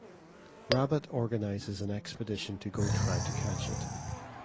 Rabbit organizes an expedition to go try to catch it.